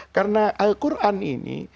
karena al quran ini